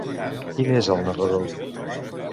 Qui n'és el narrador?